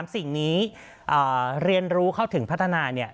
สิ่งนี้เรียนรู้เข้าถึงพัฒนาเนี่ย